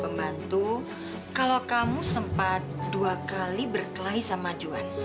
membantu kalau kamu sempat dua kali berkelahi sama juan